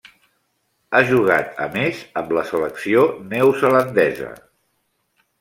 Ha jugat a més amb la selecció neozelandesa.